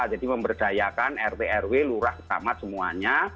jadi memberdayakan rt rw lurah kamat semuanya